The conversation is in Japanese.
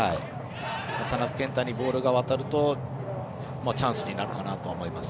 田中健太にボールが渡るとチャンスになるかなと思います。